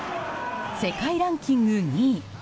世界ランキング２位。